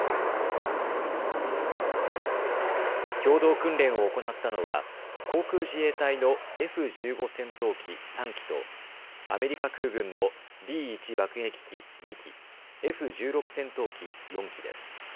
共同訓練を行ったのは航空自衛隊のＦ１５戦闘機３機とアメリカ空軍のＢ１爆撃機２機、Ｆ１６戦闘機４機です。